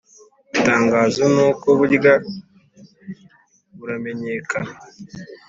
ltangazo noku buryo buramenyekana